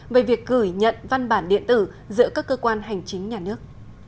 về việc gửi nhận văn bản điện tử giữa các cơ quan hành chính nhà nước